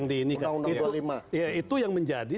itu yang menjadi